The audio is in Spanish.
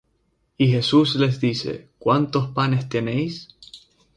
Y Jesús les dice: ¿Cuántos panes tenéis?